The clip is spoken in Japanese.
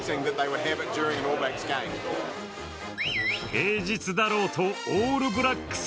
平日だろうとオールブラックス